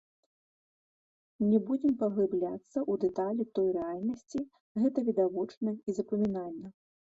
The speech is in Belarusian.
Не будзем паглыбляцца ў дэталі той рэальнасці, гэта відавочна і запамінальна.